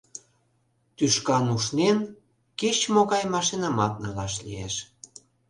Тӱшкан ушнен, кеч-могай машинамат налаш лиеш.